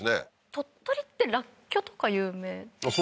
鳥取ってらっきょうとか有名ですよね